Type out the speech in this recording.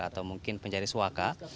atau mungkin pencari suaka